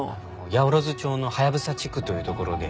八百万町のハヤブサ地区という所で。